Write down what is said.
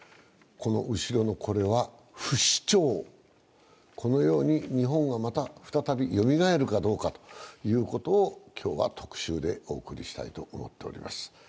後ろのこれは不死鳥、このように日本がまた再びよみがえるかどうかということを今日は特集でお送りしたいと思っています。